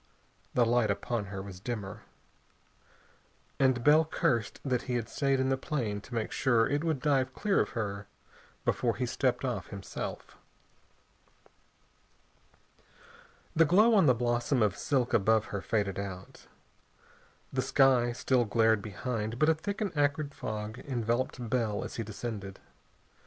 The light upon her was dimmer. And Bell cursed that he had stayed in the plane to make sure it would dive clear of her before he stepped off himself. The glow on the blossom of silk above her faded out. The sky still glared behind, but a thick and acrid fog enveloped Bell as he descended.